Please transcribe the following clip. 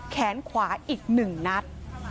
แขนขวาอีก๑นัด